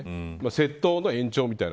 窃盗の延長みたいな。